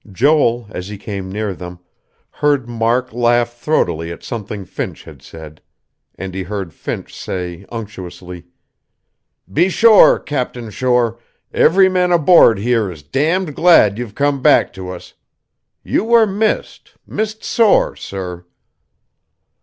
Joel, as he came near them, heard Mark laugh throatily at something Finch had said; and he heard Finch say unctuously: "Be sure, Captain Shore, every man aboard here is damned glad you've come back to us. You were missed, missed sore, sir."